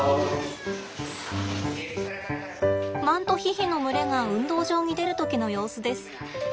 マントヒヒの群れが運動場に出る時の様子です。